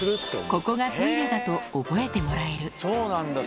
ここがトイレだと覚えてもらえるそうなんだ